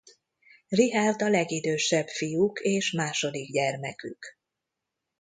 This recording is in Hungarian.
Richard a legidősebb fiuk és második gyermekük.